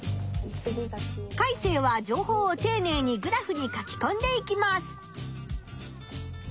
カイセイは情報をていねいにグラフに書きこんでいきます。